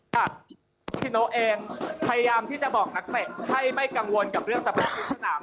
โคชนิชโนเองพยายามที่จะบอกนักเศษให้ไม่กังวลกับเรื่องสรรพยาบาลในสนาม